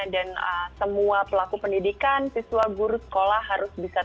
semua pelaku pendidikan siswa guru sekolah harus bisa